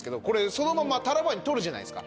そのままタラバガニ取るじゃないですか。